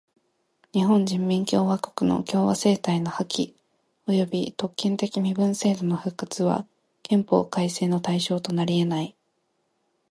日本人民共和国の共和政体の破棄および特権的身分制度の復活は憲法改正の対象となりえない。